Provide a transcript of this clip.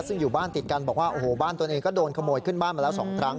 ซึ่งอยู่บ้านติดกันบอกว่าโอ้โหบ้านตัวเองก็โดนขโมยขึ้นบ้านมาแล้ว๒ครั้ง